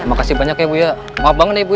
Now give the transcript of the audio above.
terima kasih banyak ya bu ya maaf banget nih bu